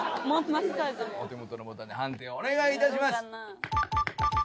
お手元のボタンで判定お願い致します！